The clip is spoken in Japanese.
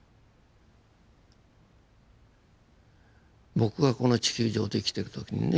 僕はこの地球上で生きてる時にね